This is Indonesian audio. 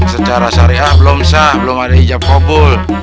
secara syariah belum sah belum ada hijab kobul